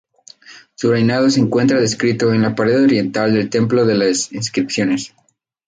Su reinado se encuentra descrito en la pared oriental del Templo de las Inscripciones.